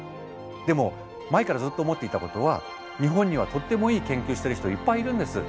でも前からずっと思っていたことは日本にはとってもいい研究してる人いっぱいいるんです。